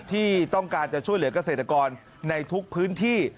ที่ต้องการจะช่วยเหลือกเกษตรกรในทุกพื้นที่